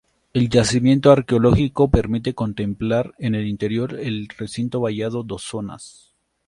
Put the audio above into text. El yacimiento arqueológico permite contemplar en el interior del recinto vallado dos zonas.